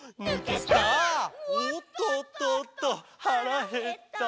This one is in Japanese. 「おっとっとっとはらへった」